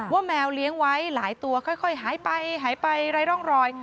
แมวเลี้ยงไว้หลายตัวค่อยหายไปหายไปไร้ร่องรอย